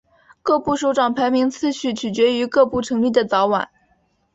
各部首长排名次序取决于各部成立的早晚。